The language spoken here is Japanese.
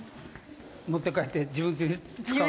「持って帰って自分ちで使おう」